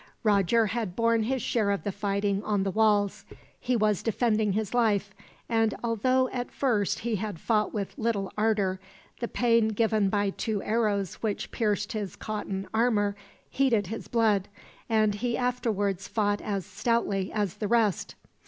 Roger had borne his share of the fighting on the walls. He was defending his life, and although at first he had fought with little ardor, the pain given by two arrows which pierced his cotton armor heated his blood; and he afterwards fought as stoutly as the rest.